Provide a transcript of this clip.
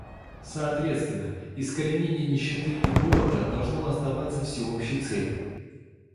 Соответственно, искоренение нищеты и голода должно оставаться всеобщей целью.